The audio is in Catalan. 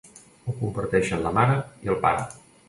Ho comparteixen la mare i el pare.